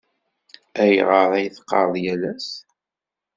Ayɣer ay teqqareḍ yal ass?